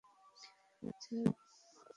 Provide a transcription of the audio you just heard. Sir, আসুন।